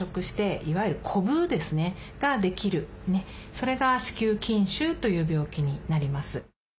それが「子宮筋腫」という病気になります。